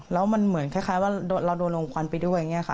แล้วมันเหมือนคล้ายว่าเราโดนลมควันไปด้วยอย่างนี้ค่ะ